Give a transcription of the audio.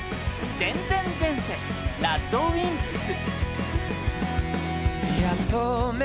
『前前前世』ＲＡＤＷＩＭＰＳ